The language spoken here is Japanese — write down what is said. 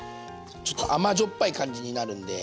ちょっと甘じょっぱい感じになるんで。